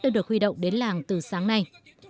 đã được huy động đến làng từ sáng nay